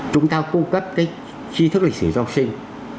chúng ta cung cấp cái chi thức lịch sử trong sinh